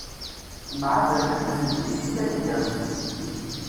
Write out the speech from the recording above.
Mεadalen di temlilit taneggarut.